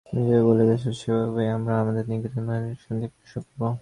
তুমি যেভাবে বলে গেছ, সেভাবেই আমরা আমাদের নিগৃহীত মাতৃভূমিতে শান্তি প্রতিষ্ঠা করব।